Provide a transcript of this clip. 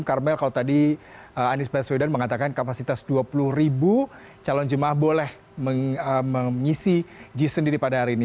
karmel kalau tadi anies baswedan mengatakan kapasitas dua puluh ribu calon jemaah boleh mengisi jis sendiri pada hari ini